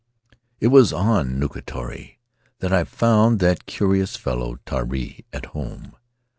It was on Nukutere that I found that curious fellow, Tari, at home.